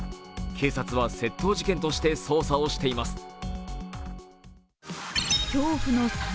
警察は窃盗事件として捜査をしています。